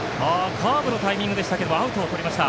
カーブのタイミングでしたがアウトをとりました。